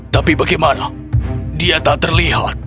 tapi bagaimana dia tak terlihat